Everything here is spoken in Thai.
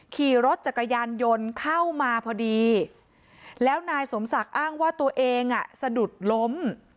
ขี่รถจักรยานยนต์เข้ามาพอดีแล้วนายสมศักดิ์อ้างว่าตัวเองอ่ะสะดุดล้ม